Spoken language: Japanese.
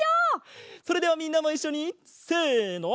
それではみんなもいっしょにせの。